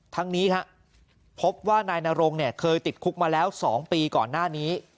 ทั้งนี้ครับพบว่านายนรงเนี่ยเคยติดคุกมาแล้ว๒ปีก่อนหน้านี้